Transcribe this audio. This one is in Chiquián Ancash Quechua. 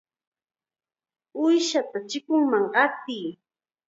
¡Uushata chikunman qatiy!